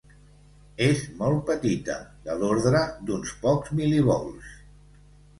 És molt petita, de l'ordre d'uns pocs mil·livolts.